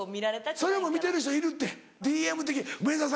それも見てる人いるってＤＭ梅沢さん